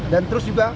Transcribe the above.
dan terus juga